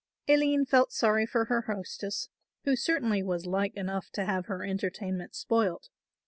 Aline felt sorry for her hostess, who certainly was like enough to have her entertainment spoilt.